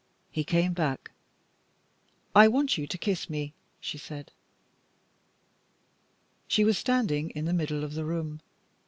He came back. "I want you to kiss me," she said. She was standing in the middle of the room.